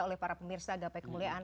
oleh para pemirsa gapai kemuliaan